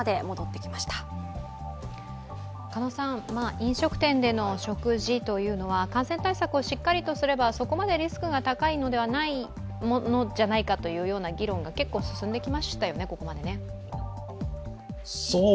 飲食店での食事というのは感染対策をしっかりとすればそこまでリスクが高いのではないという議論が結構進んできましたよね、ここまで。